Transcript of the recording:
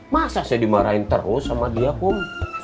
masa saya dimarahin terus sama dia pun